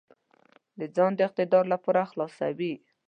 د ځان د اقتدار لپاره خلاصوي.